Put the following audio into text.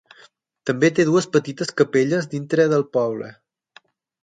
També té dues petites capelles dintre del poble.